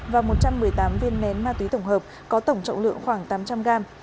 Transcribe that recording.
và một trăm một mươi tám viên nén ma túy tổng hợp có tổng trọng lượng khoảng tám trăm linh gram